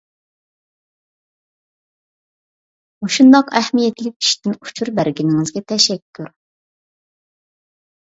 مۇشۇنداق ئەھمىيەتلىك ئىشتىن ئۇچۇر بەرگىنىڭىزگە تەشەككۈر!